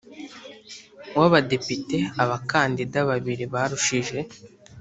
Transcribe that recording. w Abadepite abakandida babiri barushije